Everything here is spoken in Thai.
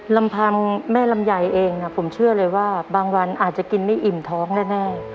ลำพังแม่ลำไยเองผมเชื่อเลยว่าบางวันอาจจะกินไม่อิ่มท้องแน่